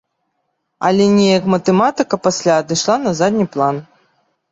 Але неяк матэматыка пасля адышла на задні план.